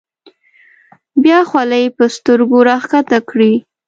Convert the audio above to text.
بیا خولۍ په سترګو راښکته کړي.